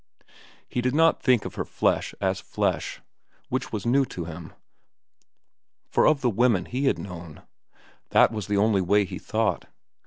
He did not think of her flesh as flesh,—which was new to him; for of the women he had known that was the only way he thought.